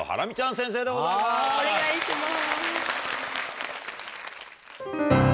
お願いします。